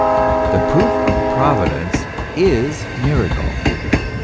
The proof of Providence is miracle.